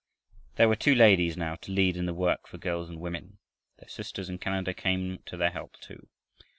There were two ladies now to lead in the work for girls and women. Their sisters in Canada came to their help too.